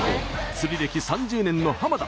釣り歴３０年の田。